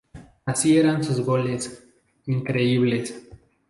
Así eran sus goles, increíbles.